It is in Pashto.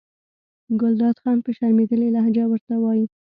ګلداد خان په شرمېدلې لهجه ورته وایي.